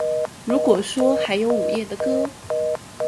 如果说还有午夜的歌